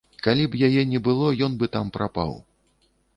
Калі б яе не было, ён бы там прапаў.